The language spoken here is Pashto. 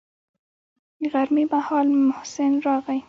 غرمې مهال محسن راغى.